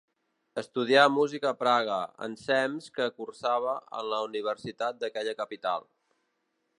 Estudià música a Praga, ensems que cursava en la Universitat d'aquella capital.